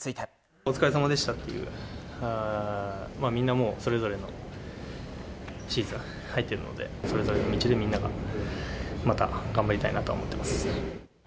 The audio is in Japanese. お疲れさまでしたっていう、みんなもうそれぞれのシーズン入ってるので、それぞれの道でみんながまた頑張りたいなと思っています。